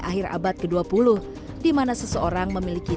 akhir abad ke dua puluh dimana seseorang memiliki